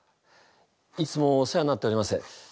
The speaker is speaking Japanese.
いつもお世話になっております。